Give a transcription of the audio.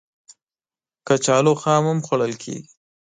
کچالو خام هم خوړل کېږي